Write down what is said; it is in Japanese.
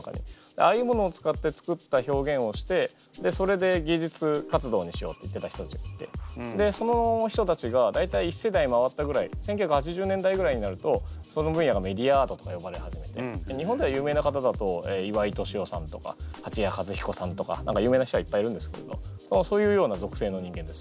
ああいうものを使って作った表現をしてそれで芸術活動にしようって言ってた人たちがいてその人たちが大体１世代回ったぐらい１９８０年代ぐらいになるとその分野がメディアアートとかよばれ始めて日本では有名な方だと岩井俊雄さんとか八谷和彦さんとか何か有名な人はいっぱいいるんですけどそういうようなぞくせいの人間です。